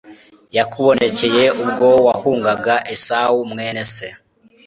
yakubonekeye ubwo wahungaga esawu mwene se